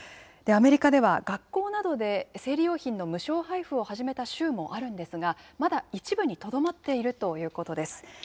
アメリカでは、学校などで、生理用品の無償配布を始めた州もあるんですが、まだ一部にとどまっているということです。